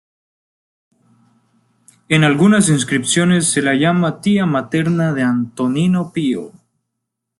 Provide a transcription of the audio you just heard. En algunas inscripciones se la llama tía materna de Antonino Pío.